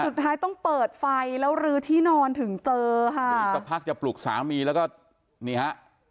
สุดท้ายต้องเปิดไฟแล้วลื้อที่นอนถึงเจอค่ะนี่สักพักจะปลุกสามีแล้วก็นี่ฮะ